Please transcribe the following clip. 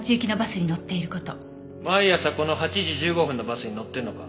毎朝この８時１５分のバスに乗ってるのか？